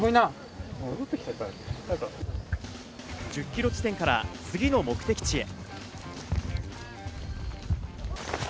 １０キロ地点から次の目的地へ。